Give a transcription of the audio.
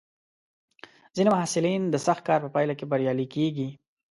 ځینې محصلین د سخت کار په پایله کې بریالي کېږي.